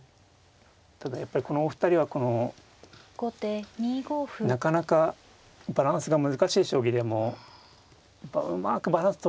ただやっぱりこのお二人はこのなかなかバランスが難しい将棋でもうまくバランスとりますからね。